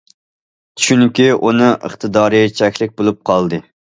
چۈنكى، ئۇنىڭ ئىقتىدارى چەكلىك بولۇپ قالدى.